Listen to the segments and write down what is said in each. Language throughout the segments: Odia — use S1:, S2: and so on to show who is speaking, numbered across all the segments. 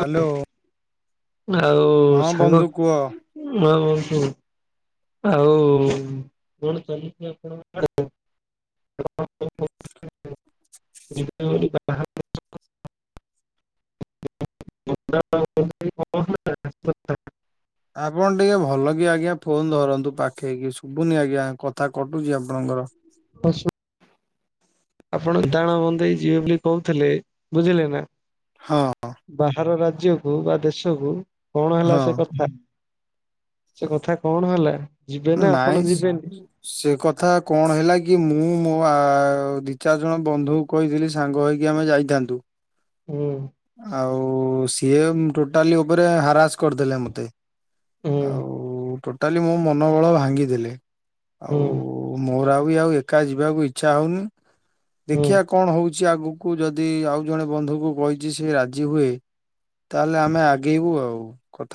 S1: ହ୍ୟାଲୋ
S2: ଆଉ
S1: ହଁ
S2: ସାଙ୍ଗ
S1: ବନ୍ଧୁ କୁହ।
S2: ହଉ ଆଉ କଣ ଚାଲିଛି ଆପଣ ଯିବେ ବୋଲି
S1: ଆପଣ ଟିକେ ଭଲ କି ଆଜ୍ଞା ଫୋନ ଧରନ୍ତୁ ପାଖେଇକି ଶୁଭୁନି ଆଜ୍ଞା କଥା କଟୁଛି ଆପଣଙ୍କର
S2: ଆଶ ଆପଣ ଦାଣ ବନ୍ଦେଇ ଯିବେ ବୋଲି କହୁଥିଲେ ବୁଝିଲେ ନା
S1: ହଁ
S2: ବାହାର ରାଜ୍ୟକୁ ବା ଦେଶକୁ କଣ ହେଲା
S1: ହଁ
S2: ସେ କଥା ସେ କଥା କଣ ହେଲା ଯିବେ ନା ଆପଣ ଯିବେନି
S1: ନାଇଁ ସେ କଥା କଣ ହେଲା କି ମୁଁ ମୋ ଆଉ ଦି ଚାରି ଜଣ ବନ୍ଧୁ କହିଥିଲି ସାଙ୍ଗ ହେଇକି ଆମେ ଯାଇଥାନ୍ତୁ
S2: ହୁଁ
S1: ଆଉ ସିଏ ଟୋଟାଲି ଉପରେ ହାରାସ କରିଦେଲେ ମତେ
S2: ହୁଁ
S1: ଆଉ ଟୋଟାଲି ମୋ ମନୋବଳ ଭାଙ୍ଗିଦେଲେ
S2: ହୁଁ
S1: ଆଉ ମୋର ଆ ବି ଆଉ ଏକା ଯିବାକୁ ଇଚ୍ଛା ହଉନି
S2: ହୁଁ
S1: ଦେଖିବା କଣ ହଉଛି? କିଛି ଆଗକୁ ଯଦି ଆଉ ଜଣେ ବନ୍ଧୁଙ୍କୁ କହି ଯି ସେ ରାଜି ହୁଏ ।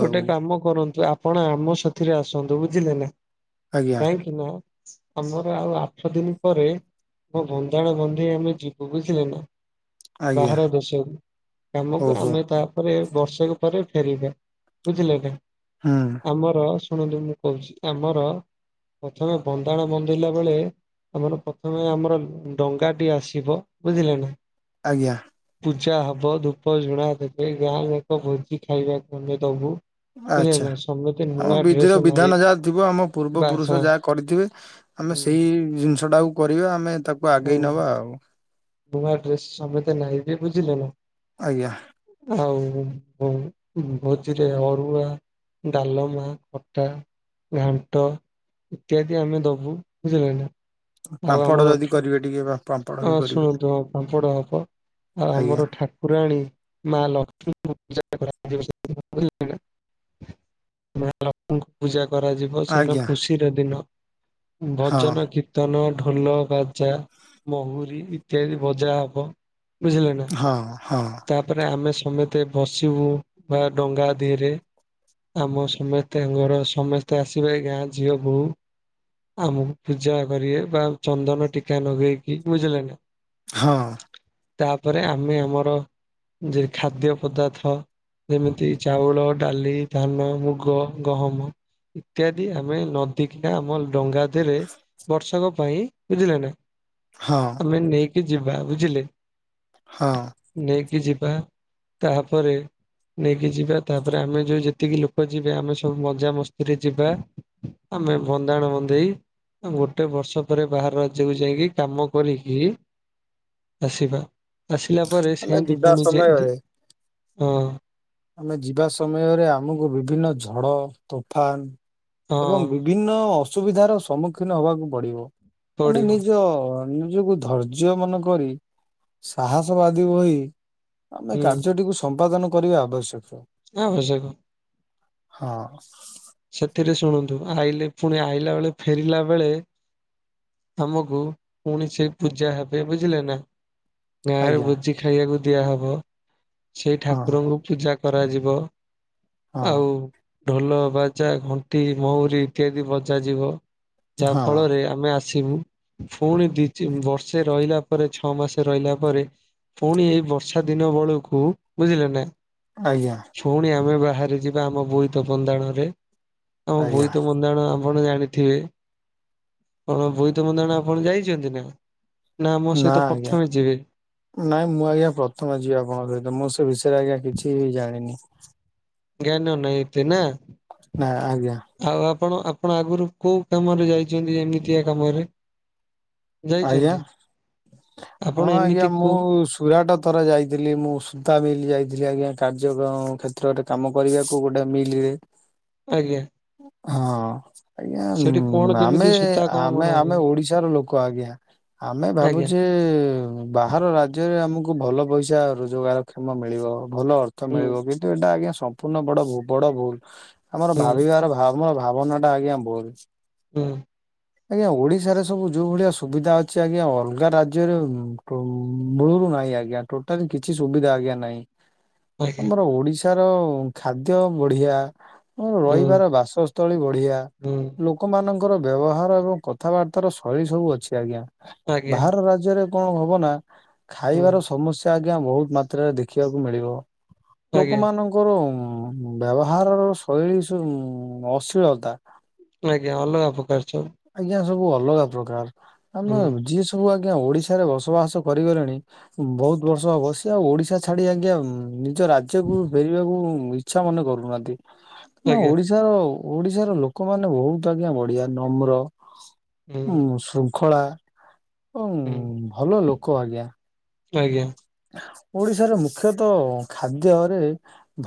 S2: ଗୋଟେ କାମ କରନ୍ତୁ ଆପ ଆପଣ ଆମ ସାଥିରେ ଆସନ୍ତୁ ବୁଝିଲେ ନା,
S1: ଆଜ୍ଞା
S2: କାହିଁକି ନା ଆମର ଆଉ ଆଠ ଦିନ ପରେ ମୋ ବନ୍ଦାଣ ବନ୍ଧେଇ ଆମେ ଯିବୁ ବୁଝିଲେ ନା?
S1: ଆଜ୍ଞା
S2: ବାହାର ଦେଶକୁ କାମକୁ
S1: ଓହୋ
S2: ଆମେ ତାପରେ ବର୍ଷକ ପରେ ଫେରିବା। ବୁଝିଲେ ନା,
S1: ହୁଁ
S2: ଆମର ଶୁଣନ୍ତ ମୁଁ କହୁଛି ଆମର ପ୍ରଥମେ ବନ୍ଦାଣ ବନ୍ଦେଇଲା ବେଳେ ଆମର ପ୍ରଥମେ ଆମର ଡଙ୍ଗାଟି ଆସିବ ବୁଝିଲେ ନା।
S1: ଆଜ୍ଞା।
S2: ପୂଜା ହବ ଧୂପ ଜଝୁଣା ଦେବେ ଗାଁ ଯାକ ଭୋଜି ଖାଇବାକୁ ଆମେ ଦବୁ।
S1: ଆଚ୍ଛା
S2: ବୁଝିଲେନା ସମ
S1: ଆମ ବିଧିର ବିଧାନ ଯାହା ଥିବ ଆମ ପୂର୍ବ
S2: ବାସ
S1: ପୁରୁଷ ଯାହା କରିଥିବେ ଆମେ
S2: ହୁଁ
S1: ସେଇ ଜିନିଷ ଟାକୁ କରିବା ଆମେ ତାକୁ ଆଗେଇ ନବା ଆଉ।
S2: ନୁଆ ଡ୍ରେସ ସମତେ ନାଇବେ ବୁଝିଲେ ନା?
S1: ଆଜ୍ଞା
S2: ଆଉ ଭୋ ଭୋଜିରେ ଅରୁଆ, ଡାଲମା, ଖଟା ଘାଣ୍ଟ ଇତ୍ୟାଦି ଆମେ ଦବୁ ବୁଝିଲ ନା।
S1: ପାମ୍ପଡ ଯଦି କରିବେ ଟିକେ ବା
S2: ଆ ଶୁଣନ୍ତୁ ଆଉ ପାମ୍ପଡ ହବ। ଆଉ
S1: ଆଜ୍ଞା
S2: ଆମର ଠାକୁରାଣୀ ମା ଲକ୍ଷ୍ମୀଙ୍କୁ ପୂାଜା। [unintelligible] କରାଯିବ ସେନ
S1: ଆଜ୍ଞା
S2: ଖୁସିର ଦିନ।
S1: ହଁ
S2: ଭଜନ, କୀର୍ତ୍ତନ, ଢୋଲ, ବାଜା ମହୁୁରୀ ଇତ୍ୟାଦି ବଜା ହବ ବୁଝିଲେ ନା।
S1: ହଁ ହଁ
S2: ତାପରେ ଆମେ ତମେତେ ବସିବୁ ବା ଡଙ୍ଗା ଦିରେ। ଆମ ସମସ୍ତେଙ୍କର ସମସ୍ତେ ଆସିବେ ଗାଁ ଝିଅ ବୋହୁ। ଆମକୁ ପୂଜା କରିବେ ବା ଚନ୍ଦନ ଟିକା ଲଗେଇକି ବୁଝିଲେ ନା ।
S1: ହଁ।
S2: ତାପରେ ଆମେ ଆମର ଯ ଖାଦ୍ୟ ପଦାର୍ଥ ଯେମିତି ଚାଉଳ, ଡାଲି, ଧାନ, ମୁଗ, ଗହମ ଇତ୍ୟାଦି ଆମେ ନଦୀ କିନା ଆମର ଡଙ୍ଗା ରେ ବର୍ଷକ ପାଇଁ ବୁଝିଲେ ନା
S1: ହଁ
S2: ଆମେ ନେଇ କିଯିବା ବୁଝିଲେ।
S1: ହଁ।
S2: ନେଇକି ଯିବା ତାପରେ ନେଇକି ଯିବା ତାପରେ ଆମେ ଯୋଉ ଯେତିକି ଲୋକ ଯିବେ ଆମେ ସବୁ ମଜା ମସ୍ତିରେ ଯିବା। ଆମେ ଭନ୍ଦାଣ ବନ୍ଦେଇ ଗୋଟେ ବର୍ଷ ପରେ ବାହାର ରାଜ୍ୟକୁୁ ଯାଇକି କାମ କରିକି ଆସିବା ଆସିଲା ପରେ
S1: ଆମେ
S2: ସେତି
S1: ଯିବା
S2: ପୁଣି ଯେ
S1: ସମୟରେ
S2: ହ।
S1: ଆମେ ଯିବା ସମୟରେ ଆମକୁ ବିଭିନ୍ନ ଝଡ଼, ତୋଫାନ
S2: ହଁ
S1: ଏବଂ ବିଭି
S2: ପଡିବ
S1: ନିଜକୁ ଧୈର୍ଯ୍ୟ ମନେ କରି ସାହସ ବାଦୀ ବହି ଆମେ
S2: ହୁଁ
S1: କାର୍ଯ୍ୟଟିକୁ ସମ୍ପାଦନ କରିବା ଆବଶ୍ୟକ।
S2: ହଁ, ଭଲସେ କ?
S1: ହଁ।
S2: ସେଥିରେ ଶୁଣନ୍ତୁ ଆଇଲେ ପୁଣି ଆଇଲା ବେଳେ ଫେରିଲା ବେଳେ ଆମକୁ ପୁଣି ସେ ପୂଜା ହେବେ ବୁଝିଲେ ନା। ଗାଁରେ
S1: ଆଜ୍ଞା
S2: ଭୋଜି ଖାଇବାକୁ ଦିଆହବ ସେଇ
S1: ହଁ
S2: ଠାକୁରଙ୍କୁ କରାଯିବ
S1: ହଁ
S2: ଆଉ ଢ଼ୋଲ ବା ା ଘଣ୍ଟି ମହୁୁରୀ ଇତ୍ୟାଦି ବଜ ଯିବ ଯାହା
S1: ହଁ
S2: ଫଳରେ ଆମେ ଆସିବୁ ପୁଣି ଦି ବର୍ଷେ ରହିଲା ପରେ ଛଅ ମାସ ରହିଲା ପରେ ପୁଣି ଏଇ ବର୍ଷା ଦିନ ବେଳକୁ ବୁଝିଲେ ନା
S1: ଆଜ୍ଞା
S2: ଶୁଣି ଆମେ ବାହାରେ ଯିବା ଆମ ବୋଇତ ବନ୍ଦାଣରେ ଆଁ ଭୁଇ
S1: ଆଜ୍ଞା
S2: ତ ମନ୍ଦାଣମ ଆପଣ ଜାଣିଥିବେ କଣ ବୋଇତମନ୍ଦଣ ଆପଣ ଯାଇଛନ୍ତି ନା ନା ଆମ ସହିତ
S1: ନାଁ ଆଜ୍ଞା
S2: ପ୍ରଥମେ ଯିବେ
S1: ନାଇଁ ମୁଁ ଆଜ୍ଞା ପ୍ରଥମେ ଯିବ ଆପଣଙ୍କ ସହିତ ମୁଁ ସେ ବିଷୟରେ ଆଜ୍ଞା କି ି ବି ଜାଣନି
S2: ହାନନଇତି ନା
S1: ନା ଆଜ୍ଞା
S2: ଆଉ ଆପଣ ଆପଣ ଆଗରୁ କୋଉ କାମରେ ଯାଇଛନ୍ତି ଏମିତିଆ କାମରେ
S1: ଆଜ୍ଞା
S2: ଯାଇଛନ୍ତି ଆପଣ
S1: ହଁ ଆଜ୍ଞା
S2: ଏମିତି କୁ
S1: ମୁଁ ସୁରାଟ ଥର ଯାଇଥିଲି ମୁଁ ସୁତା ମିଲ ଯାଇଥିଲି ଆଜ୍ଞା କା ନିଜୋଗ କ୍ଷେତ୍ରରେ କାମ କରିବାକୁ ଗୋଟେଏ ମିଲରେ
S2: ଆଜ୍ଞା
S1: ହଁ ଆଜ୍ଞା
S2: ସେଠି କଣ
S1: ଆମେ
S2: କେମିତି ସୂତା କଣ
S1: ଆମେ
S2: ବଣା ହୁଏ
S1: ଆମେ ଓଡିଶାର ଲୋକ ଆଜ୍ଞା ଆମେ
S2: ଆଜ୍ଞା
S1: ଭାବୁଛେ ବାହାର ରାଜ୍ୟରେ ଆମକୁ ଭଲ ପଇସା ରୋଜଗାର କ୍ଷମ ମିଳିବ ଭଲ ଅର୍ଥ
S2: ହୁଁ
S1: ମିଳିବ କିନ୍ତୁ ଏଟା ଆଜ୍ଞା ସମ୍ପୂର୍ଣ୍ଣ ବଡ ବଡ ଭୁଲ ଆମର
S2: ହୁଁ
S1: ଭାବିବାରର ଭାବନା ଟା ଆଜ୍ଞା ଭୁଲ୍।
S2: ହୁଁ।
S1: ଆଜ୍ଞା ଓଡିଶାରେ ସବୁ ଯୋଉ ଭଳିଆ ସୁବିଧା ଅଛି ଆଜ୍ଞା ଅଲଗା ରାଜ୍ୟରେ ମୁଳୁରୁ ନାହିଁ ଆଜ୍ଞା ଟୋଟାଲି କିଛି ସୁବିଧା ଆଜ୍ଞା ନାହିଁ
S2: ଆଜ୍ଞା
S1: ଆମର ଓଡିଶାର ଖାଦ୍ୟ ବଢିଆ
S2: ହୁଁ
S1: ରହିବାର ବାସସ୍ଥଳୀ ବଢିଆ
S2: ହୁଁ
S1: ଲୋକମାନଙ୍କର ବ୍ୟବହାର ଏବଂ କଥାବାର୍ତ୍ତାର ଶୈଳୀ ସବୁ ଅଛି ଆଜ୍ଞା
S2: ଆଜ୍ଞା
S1: ବାହାର ରାଜ୍ୟରେ କଣ ହବ ନା
S2: ହୁଁ
S1: ଖାଇବାର ସମସ୍ୟା ଆ ଆଜ୍ଞା ବହୁତ ମାତ୍ରାରେ ଦେଖିବାକୁ ମିଳିବ ଲୋକ
S2: ଆଜ୍ଞା
S1: ମାନଙ୍କର ବ୍ୟବହାରର ଶୈଳୀ ଅସିଳତା।
S2: ଆଜ୍ଞା ଅଲଗା ଉପକାର ଚ
S1: ଆଜ୍ଞା ସବୁ ଅଲଗା ପ୍ରକାର ଆମେ
S2: ହୁଁ
S1: ଯିଏ ସବୁ ଆ ଆଜ୍ଞା ଓଡିଶାରେ ବସବାସ କରିଗଲେଣି ବହୁତ ବର୍ଷ ହବ ସିଏ ଆଉ ଓଡିଶା ଛାଡି ଆଜ୍ଞା ନି ନିଜ ରାଜ୍ୟକୁ ଫେରିବାକୁ ଇଚ୍ଛା ମନେ କରୁନାହାନ୍ତି ତେଣୁ
S2: ଆଜ୍ଞା
S1: ଓଡିଶାର ଓଡିଶାର ଲୋକମାନେ ବହୁତ ଆଜ୍ଞା ବଢିଆ ନମ୍ର
S2: ହୁଁ
S1: ଶ୍ରୁ ଖଳା
S2: ହୁଁ
S1: ଏବଂ ଭଲ ଲୋକ ଆଜ୍ଞା।
S2: ଆଜ୍ଞା।
S1: ଓଡିଶାରେ ମୁଖ୍ୟତ ଖାଦ୍ୟରେ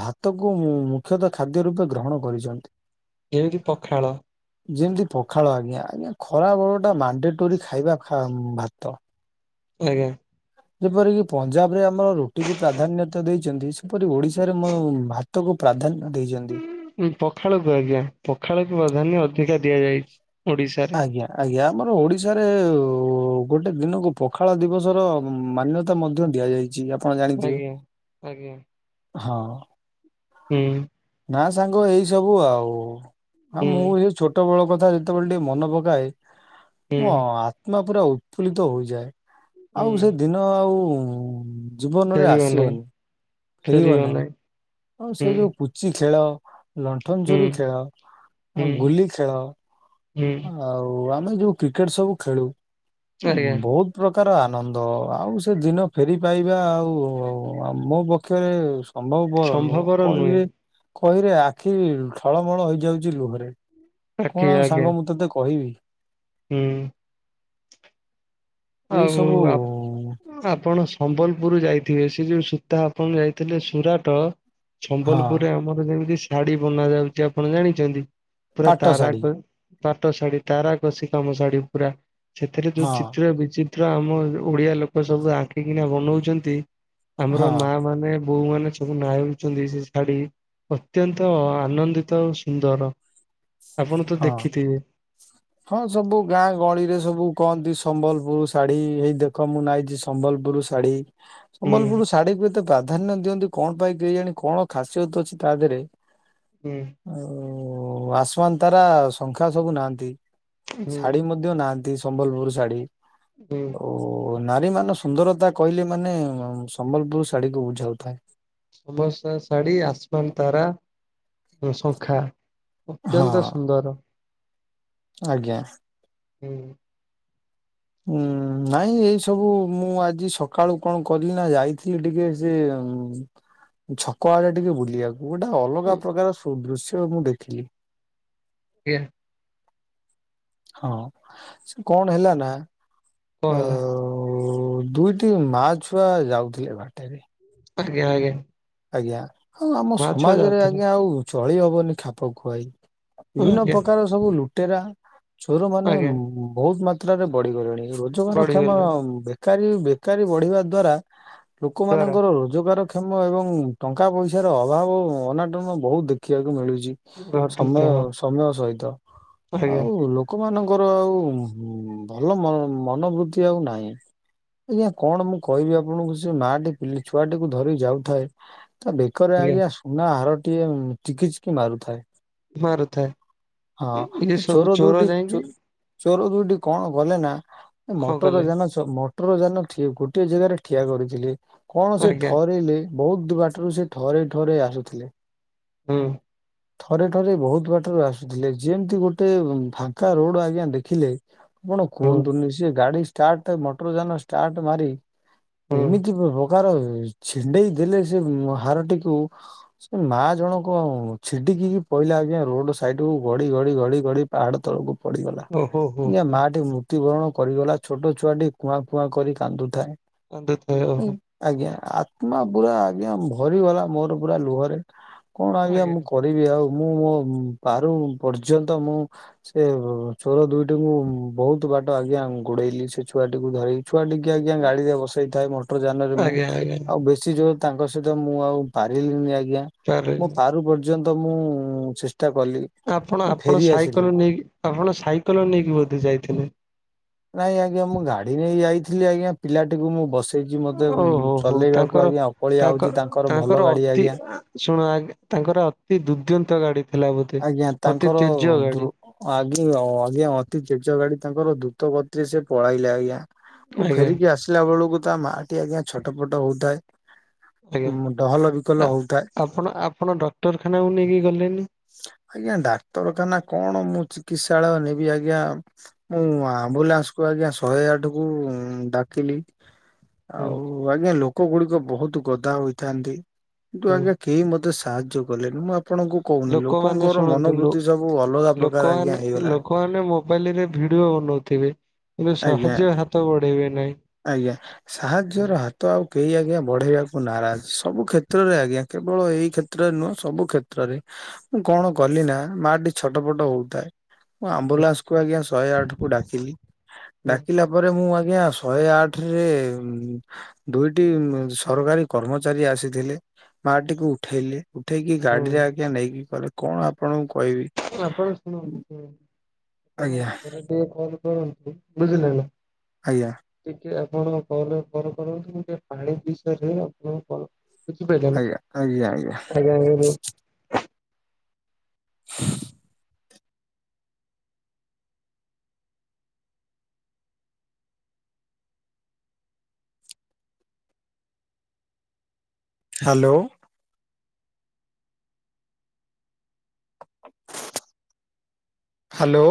S1: ଭାତ କ ମୁଖ୍ୟତ ଖାଦ୍ୟ ରୂପେ ଗ୍ରହଣ କରିଚନ୍ତି।
S2: ଯେମିତି ପଖାଳ।
S1: ଯେମତି ପଖାଳ ଆଜ୍ଞା ଆଜ୍ଞା ଖରା ବଳ ଟା ମାଣ୍ଡେ ଟୋରି ଖାଇବା ଖା ଭାତ।
S2: ଆଜ୍ଞା।
S1: ଯେପରିକି ପଞ୍ଜାବ ରେ ଆମର ରୁଟିକୁୁ ପ୍ରାଧାନ୍ୟତା ଦେଇଛନ୍ତି ସେପରି ଓଡିଶାରେ ଭା ତ କୁୁ ପ୍ରାଧାନ୍ୟ ଦେଇଛନ୍ତି
S2: ପଖାଳକୁ ଆଜ୍ଞା ପଖାଳକୁ ପ୍ରଧାନ୍ୟ ଅଧିକା ଦିଆଯାଇଚି।
S1: ଆଜ୍ଞା ଆଜ୍ଞା। ଆମର ଓଡ଼ିଶାରେ ଗୋଟେ ଦିନକୁ ପଖାଳ ଦିବସର ମାନ୍ୟତା ମଧ୍ୟ ଦିଆଯାଇଚି। [unintelligible] ଆପଣ ଜାଣିଥିବେ
S2: ଆଜ୍ଞା ଆଜ୍ଞା
S1: ହଁ।
S2: ହୁଁ।
S1: ନା ସାଙ୍ଗ ଏଇ ସବୁ ଆଉ ହ
S2: ହୁଁ
S1: ମୁଁ ସେ ଛୋଟବେଳ କଥା ଯେତେବେଳେ ଟିକେ ମନେ ପକାଏ
S2: ହୁଁ
S1: ମୋ ଆତ୍ମା ପୁରା ଉତ୍ଫୁଲ୍ଲିତ ହୋଇଯାଏ
S2: ହୁଁ।
S1: ଆଉ ସେ ଦିନ ଆଉ ହୁଁ ଜୀବନ ରେ
S2: ଫେରିବ ନାହିଁ
S1: ଆସିବନି।
S2: ଫେରିବ ନାଇଁ।
S1: ଆଉ ସେ ଯୋଉ କୁଚି ଖେଳ ଲଣ୍ଠନ
S2: ହୁଁ
S1: ଚୋରି ଖେଳ
S2: ହୁଁ
S1: ଆଉ ଗୁଲି ଖେଳ
S2: ହୁଁ
S1: ଆଉ ଆମେ ଯୋଉ କ୍ରିକେଟ ସବୁ ଖେଳୁ
S2: ଆଜ୍ଞା।
S1: ବହୁତ ପ୍ରକା ପ୍ରକାର ଆନନ୍ଦ ଆଉ ସେ ଦିନ ଫେରି ପାଇବା ଆଉ ମୋ ପକ୍ଷରେ ସମ୍ଭବ ବର ନୁହଁ
S2: ସମ୍ଭବର ନୁହେଁ
S1: କହିଲେ କହିଲେ ଆଖି ଠଳମଳ ହେଇଯାଉଚି ଲୁହରେ। କଣ
S2: ଆଖି
S1: ଆଉ
S2: ଆ
S1: ସାଙ୍ଗ ମୁଁ ତୋତେ କହିବି।
S2: ହୁଁ।
S1: ଏଇ
S2: ଆଉ
S1: ସବୁ
S2: ପା ଆପଣ ସମ୍ବଲପୁରରୁ ଯାଇଥିବେ ସେ ଯୋଉ ସୂତା ଆପଣ ଯାଇଥିଲେ ସୁରାଟ
S1: ହଁ
S2: ସମ୍ବଲପୁରରେ ଆମର ଯେମିତି ଶାଢୀ ବନା ଯାଉଛି ଆପଣ ଜାଣିଚନ୍ତି ପୁରା
S1: ପାଟ ଶାଢୀ
S2: ତାରାକ ପାଟ ଶାଢୀ ତାରା କସି କାମ ଶାଢୀ ପୁରା ସେଥିରେ
S1: ହଁ
S2: ଯୋଉ ଚିତ୍ର ବି ତ୍ର ଆମ ଓଡିଆ ଲୋକ ସବୁ ଆଙ୍କିକିନା ବନଉଛନ୍ତି ଆମର
S1: ହଁ
S2: ମା ମାନେ ବୋଉ ମାନେ ସବୁ ନାଁଉଚନ୍ତି ସେ ଶାଢ଼ୀ ଅତ୍ୟନ୍ତ ଆନନ୍ଦିତ ଓ ସୁନ୍ଦର। ଆପଣ ତ
S1: ହଁ
S2: ଦେଖିଥିବେ
S1: ହଁ ସବୁ ଗାଁ ଗହଳିରେ ସବୁ କହନ୍ତି ସମ୍ବଲପୁର ଶାଢୀ ହେଇ ଦେଖ ମୁଁ ନାଇଁଚି ସମ୍ବଲପୁର ଶାଢୀ
S2: ହୁଁ।
S1: ସମ୍ବଲପୁର ଶାଢୀ କୁ ଏତେ ପ୍ରାଧାନ୍ୟ ଦିଅନ୍ତି କଣ ପାଇଁ କେହି ଜାଣି କଣ ଖାସି୍ୟତ ଅଛି ତା ଦେହରେ
S2: ହୁଁ
S1: ଆସୱନ୍ ତାରା ଶଙ୍ଖା ସବୁ ନାହାନ୍ତି
S2: ହୁଁ
S1: ଶାଢୀ ମଧ୍ୟ ନାହାନ୍ତି ସମ୍ବଲପୁର ଶାଢ଼ୀ
S2: ହୁଁ
S1: ଓ ଓ ନାରୀ ମାନେ ସୁନ୍ଦରତା କହିଲେ ମାନେ ସମ୍ବଲପୁର ଶାଢ଼ୀକୁ ବୁଝାଉଥାଏ
S2: ସମସ୍ୟା ଶାଢୀ ଆସନ୍ ତାରା ଶଙ୍ଖା ଅତ୍ୟନ୍ତ
S1: ହଁ
S2: ସୁନ୍ଦର
S1: ଆଜ୍ଞା
S2: ହୁଁ
S1: ହୁଁ ନାଇଁ ଏଇ ସବୁ ମୁଁ ଆଜି ସକାଳୁ କଣ କଲି ନା ଯାଇଥିଲି ଟିକେ ସେ ଉଁ ଛକ ଆଡା ଟିକେ ବୁଲିବାକୁ ଗୋଟେ ଅଲଗା ପ୍ରକାର ସଦୃଶ୍ୟ ମୁଁ ଦେଖିଲି
S2: ହ
S1: ହଁ ସେ କଣ ହେଲା ନା
S2: କହଲା
S1: ଓ ଦୁଇଟି ମା ଛୁଆ ଯାଉଥିଲେ ଘାଟରେ
S2: ଆ୍ଞ ଆେ
S1: ଆଜ୍ଞା ଆଉ ଆମ ସମାଜରେ ଆଜ୍ଞା ଆଉ ଚଳି ହବନି ଖାପ ଖୁଆଇ ବିଭିନ୍ନ
S2: ଆଜ୍ଞା
S1: ପ୍ରକାର ସବୁ ଲୁଟେରା ଛୋର ମାନେ
S2: ଆଜ୍ଞା
S1: ବହୁତ ମାତ୍ରରେ ବଢିଗଲେଣି ରୋଜଗାର କ୍ଷମା
S2: ବଢିଗଲେଣି।
S1: େକାରୀ ବେକାରୀ ବଢିବା ଦ୍ଵାରା
S2: ଦ୍ଵାରା
S1: ଲୋକମାନଙ୍କର ରୋଜଗାରକ୍ଷମ ଏବଂ ଟଙ୍କା ପଇସାର ଅଭାବ ଅନାଟନ ବହୁତ ଦେଖିବାକୁ ମିଳୁଛି ସମୟ
S2: ଘଟିଛି ହଁ
S1: ସମୟ ସହିତ
S2: ଆଜ୍ଞା
S1: ଆଉ ଲୋକମାନଙ୍କ ତାଙ୍କର ଆଉ ଭଲ ମନୋବୃଦ୍ଧି ଆଉ ନାହିଁ ଆଜ୍ଞା କଣ ମୁଁ କହିବି ଆପଣଙ୍କୁ ସେ ମାଟି ପିଲି ଛୁଆଟିକୁ ଧରିକି ଯାଉଥାଏ ତା ବେକରେ ଆଜ୍ଞା ସୁନା ହାର ଟିକଏ ଚିକି ଚିକି ମାରୁଥାଏ
S2: ମାରୁଥାଏ। ଇଏ
S1: ହଁ
S2: ସବୁ
S1: ଚୋର
S2: ଯାଇକି
S1: ଦୁଟିିକ ଚୋର ଦୁଇଟି କଣ ଗଲେ ନା
S2: କଣ
S1: ମଟର
S2: କଲେ
S1: ଜାନ ପଟ ଯାନ ଗୋଟିଏ ଜାଗାରେ ଠିଆ କରିଥିଲେ କଣ ସେ
S2: ଆଜ୍ଞା
S1: ଠରିଲେ ବହୁତ ଦୂ ବାଟାରୁ ସେ ଥରେ ଥରେ ଆସୁଥିଲେ
S2: ହୁଁ
S1: ଥରେ ଥରେ ବହୁତ ବାଟରୁ ଆସୁଥିଲେ ଯେମିତି ଗୋଟେ ଫାଙ୍କା ରୋଡ ଆଜ୍ଞା ଦେଖିଲେ ଆପଣ
S2: ହୁଁ
S1: କୁହନ୍ତୁନି ସେ ଗାଡି ଟ ମଟର ଯାନ ଷ୍ଟାର୍ଟ ମାରି
S2: ହୁଁ।
S1: ଏମିତି ପ୍ରକାର ଛିଣ୍ଡେଇ ଦେଲେ ସେ ହାରଟିକୁ ସେ ମା ଜଣକ ଛିଡିକି ପହିଲା ଆଜଞା ରୋଡ ସାଇଟ କୁ ଘଡି ଘଡି ଘଡି ଗଡି ପାହାଡ ତଳକୁ ପଡିଗଲା
S2: ଓହୋ ହୋ ହୋ
S1: ମାଟିିକେ ମୃତ୍ୟୁବରଣ କରିଗଲା ଛୋଟ ଛୁଆ ଟି କୁଆଁ କୁଆଁ କରି କାନ୍ଦୁଥାଏ
S2: ଅନ୍ଦୁଥ ଓହୋ
S1: ଉଁ, ଆଜ୍ଞା ଆତ୍ମା ପୁରା ଆଜ୍ଞା ଭରି ଗଲା ମୋର ପୁରା ଲୁହରେ କଣ ଆଜ୍ଞା ମୁଁ କରିବି ଆଉ ମୁଁ ମୋ ପାରୁ ପର୍ଯ୍ୟନ୍ତ ମୁଁ ସେ ଚୋର ଦୁଇଟିକୁ ବହୁତ ଛୁଆ ଟା ଆଜ୍ା ଗୁଡେଇଲି ସେ ଛୁଆ ଟିକୁ ଧରି ଛୁଆ ଟିକେ ଆଜ୍ଞା ଗାଡିରେ ବସେଇଥାଏ ମଟର ଯାନରେ ମୁଁ
S2: ଆଜ୍ଞା ଆଜ୍ଞା
S1: ଆଉ ବେଶୀ ତାଙ୍କ ସହିତ ମୁଁ ଆଉ ପାରିଲିନି ଆଜ୍ଞା
S2: ତାହେଲେ
S1: ମଁ ପାରୁ ପର୍ଯ୍ୟନ୍ତ ମୁଁ କଲି
S2: ଆପଣ
S1: ମୁଁ
S2: ଆପଣ
S1: ଫେରି ଆସିଲି।
S2: ସାଇକେଲ ନେଇକି ଆପଣ ସାଇକେଲ ନେଇକି ବୋଧେ ଯାଇଥିଲେ
S1: ନାଇଁ ଆଜ୍ଞା ମୁଁ ଗାଡି ନେଇ ଯାଇଥିଲି ଆଜ୍ଞା ପିଲାଟିକୁ ମୁଁ ବସେଇଛି ମତେ
S2: ଓହୋ ହୋ
S1: ଚଲେଇବାକୁ
S2: ତାଙ୍କର
S1: ଆଜ୍ଞା ହଉଛି
S2: ତାଙ୍କର
S1: ଭଲ
S2: ତାଙ୍କର
S1: ଗାଡି
S2: ଅତି
S1: ଆଜ୍ଞା।
S2: ଶୁଣ ଆ ତାଙ୍କର ଅତି ଦୁର୍ଦ୍ଦନ୍ତ ଗାଡି ଥିଲା ବୋଧେ।
S1: ଆଜ୍ଞା
S2: ଅତି
S1: ତାଙ୍କର
S2: ତେଜ ଗାଡି
S1: ଆ ଆଜ୍ଞା ଅତି ଚେଚ ଗାଡି ତାଙ୍କର ଦୂତ କତିରେ ସେ ପଳାଇଲେ ଆଜ୍ଞା ମୁଁ
S2: ଆଜ୍ଞା
S1: ଫେରିକି ଆସିଲା ବେଳକୁ ତା ମା ଟି ଆଜ୍ଞା ଛୋଟ ପୋଟ ହଉଥାଏ ଉଁ, ଡହଲ ବିକଲ
S2: ଆଜ୍ଞା
S1: ହଉଥାଏ
S2: ଆପଣ ଆପଣ ଡକ୍ଟରଖାନାକୁ ନେଇକି ଗଲେନି
S1: ଆଜ୍ଞା ଡାକ୍ତରଖାନା କଣ ମୁଁ ଚିକିତ୍ସାଳୟ ନେବି ଆଜ୍ଞା ମୁଁ ଆମ୍ବୁଲାନ୍ସ ୁ ଆଜ୍ଞା ଶହେ ଆଠ କୁ ଡାକିଲି
S2: ହୁଁ
S1: ଆଉ ଆଜ୍ଞା ଲୋକ ଗୁଡିକ ବହୁତ ଗଦା ହୋଇଥାନ୍ତି କିନ୍ତୁ
S2: ହୁଁ
S1: ଆଜ୍ଞା କେହି ମ ସାହାଯ୍ୟ କଲେନି ମୁଁ ଆପଣଙ୍କୁ କହୁନି
S2: ଲୋକମାନେ
S1: ଲୋକଙ୍କର
S2: ଶୁଣନ୍ତୁ
S1: ମନୋବୃତ୍ତି ସବୁ ଅଲଗା ପ୍ରକାର ଆଜ୍ଞା
S2: ଲୋକମାନେ
S1: ହେଇଗଲାଣି।
S2: ଲୋକମାନେ ମୋବାଇଲ ରେ ଭିଡିଓ ନଉଥିବେ କିନ୍ତୁ
S1: ଆଜ୍ଞା
S2: ସାହାଯ୍ୟ ହାତ ବଢେଇବେ ନାଇଁଁ
S1: ଆଜ୍ଞା ସାହାଯ୍ୟର ହାତ ଆଉ କେହି ଆଜ୍ଞା ବଢେଇବାକୁ ନାରାଜ ସବୁ କ୍ଷେତ୍ରରେ ଆଜ୍ଞ କେଳ ଏଇ କ୍ଷେତ୍ରରେ ନୁହେଁ ସବୁ କ୍ଷେତ୍ରରେ ମୁଁ କଣ କଲି ନା ମା ଟି ଛୋଟ ପଟ ହଉଥାଏ ମୁଁ ଆମ୍ବୁଲାନ୍ସକୁ ଆଜ୍ଞା ଶହେ ଆଠ କୁ ଡାକିଲି
S2: ହୁଁ
S1: ଡାକିଲା ପରେ ମୁଁ ଆଜ୍ଞା ଶହେ ଆଠ ରେ ଦୁଇଟି ସରକାରୀ କର୍ମଚାରୀ ଆସିଥିଲେ ମାଟିକୁ ଉଠେଇଲେ ଉଠେଇକି
S2: ହୁଁ
S1: ଗାଡିରେ ଆଜ୍ଞା ନେଇକି ଗଲେ କଣ ଆପଣଙ୍କୁ କହିବି
S2: ଆପଣ ଶୁଣ
S1: ଆଜ୍ଞା
S2: ବୁଝିଲେ ନା।
S1: ଆଜ୍ଞା
S2: ଟିକେ ଆପଣ କଣ କରନ ଗୋେ ପାଣି ବିଷୟରେ ଆପଣ କଣ କିଛିପିଲ ନା
S1: ଆଜ୍ଞା ଆଜ୍ଞା
S2: ଆଜ୍ଞା ଆଜ୍ଞ
S1: ହ୍ୟାଲୋ ହ୍ୟାଲୋ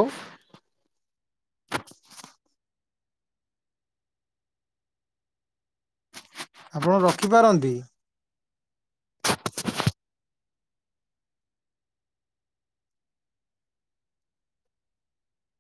S1: ଆପଣ ରଖିପାରନ୍ତି